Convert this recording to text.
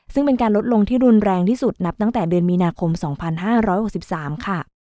ซึ่งเป็นการลดลงที่รุนแรงที่สุดนับตั้งแต่เดือนมีนาคม๒๕๖๓ค่ะ